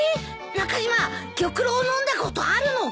中島玉露を飲んだことあるのか？